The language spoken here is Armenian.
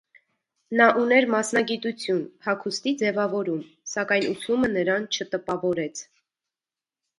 Նա ուներ մասնագիտություն՝ հագուստի ձևավորում, սակայն ուսումը նրան չտպավորեց։